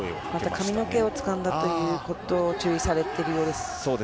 髪の毛をつかんだことを注意されているようです。